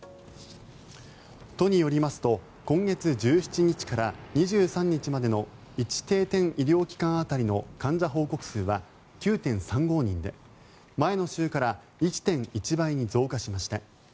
都によりますと今月１７日から２３日までの１定点医療機関当たりの患者報告数は９．３５人で前の週から１．１倍に増加しました。